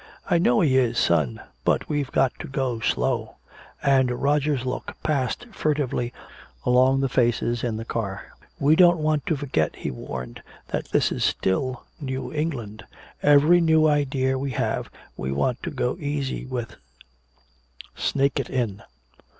"I know he is, son, but we've got to go slow." And Roger's look passed furtively along the faces in the car. "We don't want to forget," he warned, "that this is still New England. Every new idea we have we want to go easy with, snake it in."